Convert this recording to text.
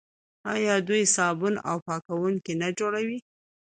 آیا دوی صابون او پاکوونکي نه جوړوي؟